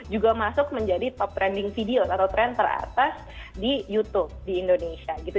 juga masuk menjadi top trending video atau tren teratas di youtube di indonesia gitu